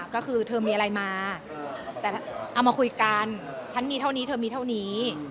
ก็คือเธอมีอะไรมาแต่เอามาคุยกันฉันมีเท่านี้เธอมีเท่านี้